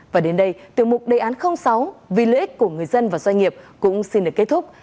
và đến đây tiêu mục đề án sáu vì lợi ích của người dân và doanh nghiệp cũng xin được kết thúc